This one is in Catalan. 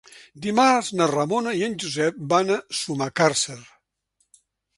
Dimarts na Ramona i en Josep van a Sumacàrcer.